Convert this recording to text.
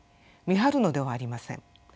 見張るのではありません。